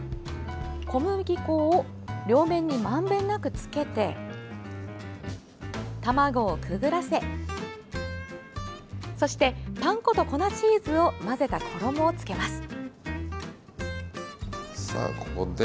小麦粉を両面にまんべんなくつけて卵をくぐらせそしてパン粉と粉チーズを混ぜた衣をつけます。